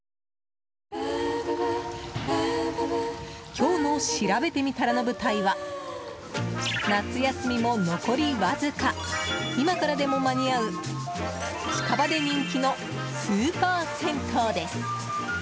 今日のしらべてみたらの舞台は夏休みも残りわずか今からでも間に合う近場で人気のスーパー銭湯です。